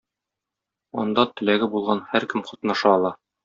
Анда теләге булган һәркем катнаша ала.